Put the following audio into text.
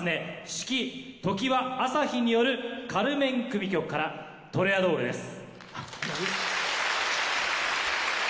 指揮常葉朝陽による『カルメン組曲』から「トレアドール」です。